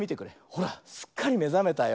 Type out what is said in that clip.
ほらすっかりめざめたよ。